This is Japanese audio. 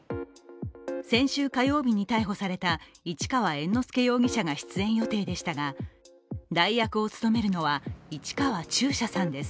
先週火曜日に逮捕された市川猿之助容疑者が出演予定でしたが、代役を務めるのは市川中車さんです。